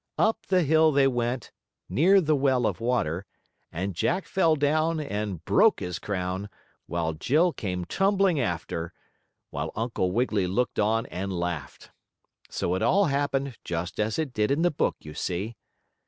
Up the hill they went, near the well of water, and Jack fell down, and broke his crown, while Jill came tumbling after, while Uncle Wiggily looked on and laughed. So it all happened just as it did in the book, you see.